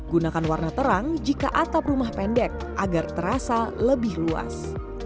gunakan warna terang jika atap rumah pendek agar terasa lebih luas